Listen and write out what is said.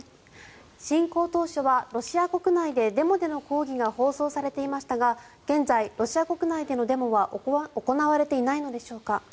侵攻当初はロシア国内でデモでの抗議が放送されていましたが現在、ロシア国内でのデモは行われていないのでしょうか？